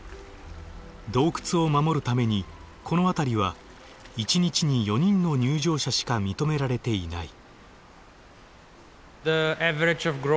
洞窟を守るためにこの辺りは一日に４人の入場者しか認められていない。